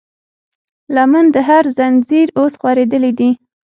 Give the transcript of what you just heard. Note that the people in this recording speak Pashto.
لمن د هر زنځير اوس خورېدلی دی